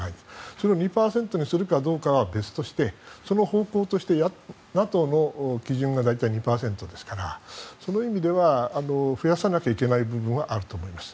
それを２％にするかどうかは別としてその方向としてＮＡＴＯの基準が２％ですからその意味では増やさなきゃいけない部分はあると思います。